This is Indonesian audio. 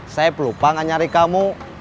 saeb lupa gak nyari kamu